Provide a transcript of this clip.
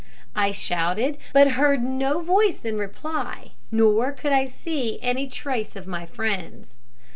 I shouted, but heard no voice in reply, nor could I see any trace of my friends.